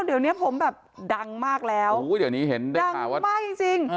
เดี๋ยวเนี้ยผมแบบดังมากแล้วเดี๋ยวนี้เห็นดังมากจริงจริง